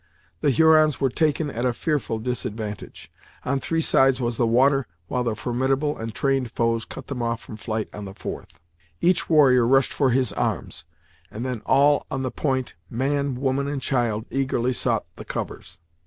The Hurons were taken at a fearful disadvantage. On three sides was the water, while their formidable and trained foes cut them off from flight on the fourth. Each warrior rushed for his arms, and then all on the point, man, woman and child, eagerly sought the covers.